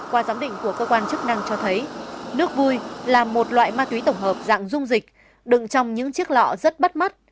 qua giám định của cơ quan chức năng cho thấy nước vui là một loại ma túy tổng hợp dạng rung dịch đựng trong những chiếc lọ rất bắt mắt